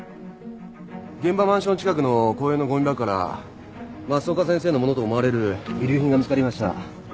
現場マンション近くの公園のごみ箱から増岡先生のものと思われる遺留品が見つかりました。